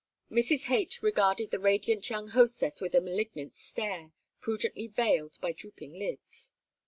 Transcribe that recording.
Mrs. Haight regarded the radiant young hostess with a malignant stare, prudently veiled by drooping lids.